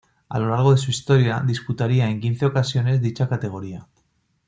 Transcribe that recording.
A lo largo de su historia disputaría en quince ocasiones dicha categoría.